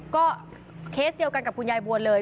ก็เคสเดียวกันกับคุณยายบัวเลย